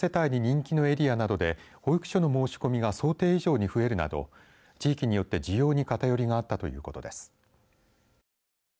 子育て世帯に人気のエリアなどで保育所の申し込みが想定以上に増えるなど地域によって需要に偏りがあったということです。